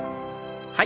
はい。